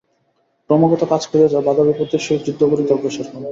ক্রমাগত কাজ করিয়া যাও, বাধা-বিপত্তির সহিত যুদ্ধ করিতে অগ্রসর হও।